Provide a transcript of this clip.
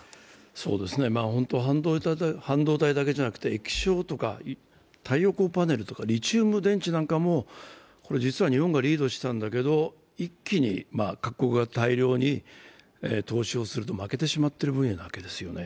半導体だけじゃなくて液晶とか太陽光パネルとかリチウム電池なども実は日本がリードしたんだけど、一気に各国が大量に投資をすると負けてしまっている分野なわけです。